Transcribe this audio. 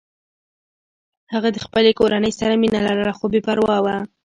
هغه د خپلې کورنۍ سره مینه لرله خو بې پروا و